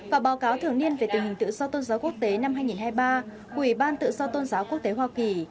và báo cáo thường niên về tình hình tự do tôn giáo quốc tế năm hai nghìn hai mươi ba của ủy ban tự do tôn giáo quốc tế hoa kỳ